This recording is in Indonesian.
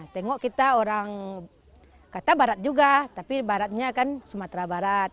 tengok kita orang kata barat juga tapi baratnya kan sumatera barat